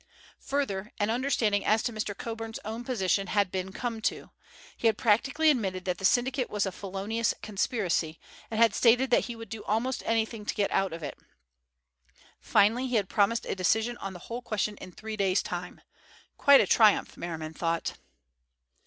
Further, an understanding as to Mr. Coburn's own position had been come to. He had practically admitted that the syndicate was a felonious conspiracy, and had stated that he would do almost anything to get out of it. Finally he had promised a decision on the whole question in three days' time. Quite a triumph, Merriman thought.